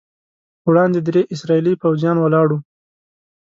وړاندې درې اسرائیلي پوځیان ولاړ وو.